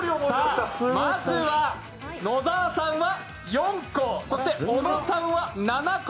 まずは野澤さんは４個小野さんは７個。